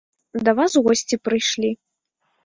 Да вас госці прыйшлі.